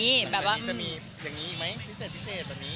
มีจะมีอย่างนี้อีกไหมพิเศษแบบนี้